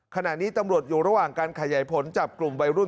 ขณะนี้ตำรวจอยู่ระหว่างการขยายผลจับกลุ่มวัยรุ่น